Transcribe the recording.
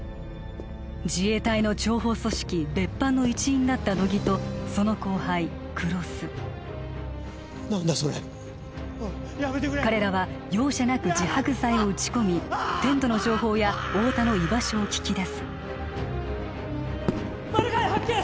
自衛隊の諜報組織別班の一員だった乃木とその後輩・黒須何だそれ彼らは容赦なく自白剤を打ち込みテントの情報や太田の居場所を聞き出すマルガイ発見！